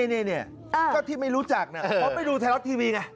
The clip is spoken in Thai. นี่ก็ที่ไม่รู้จักนะเพราะไม่ดูไทยรัฐทีวีไง